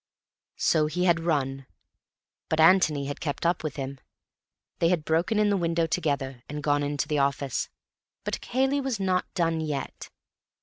So he had run. But Antony had kept up with him. They had broken in the window together, and gone into the office. But Cayley was not done yet.